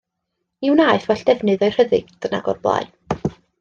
Ni wnaeth well defnydd o'i ryddid nag o'r blaen.